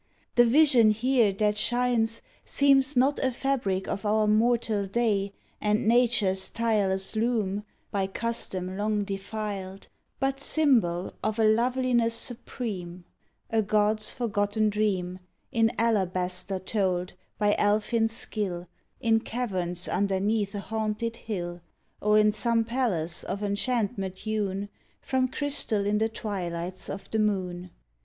The vision here that shines Seems not a fabric of our mortal day And Nature's tireless loom, By custom long defiled, But symbol of a loveliness supreme, A god's forgotten dream In alabaster told by elfin skill In caverns underneath a haunted hill, Or in some palace of enchantment hewn From crystal in the twilights of the moon.